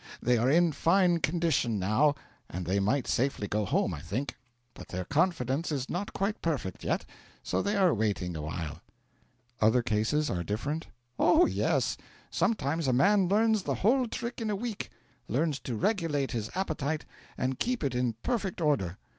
They are in fine condition now, and they might safely go home, I think, but their confidence is not quite perfect yet, so they are waiting awhile.' 'Other cases are different?' 'Oh yes. Sometimes a man learns the whole trick in a week. Learns to regulate his appetite and keep it in perfect order.